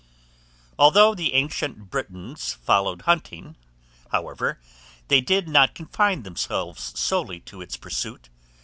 ALTHOUGH THE ANCIENT BRITONS FOLLOWED HUNTING, however, they did not confine themselves solely to its pursuit.